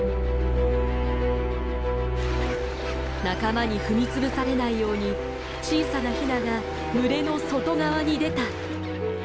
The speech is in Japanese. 仲間に踏み潰されないように小さなヒナが群れの外側に出た。